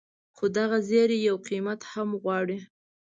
خو دغه زیری یو قیمت هم غواړي.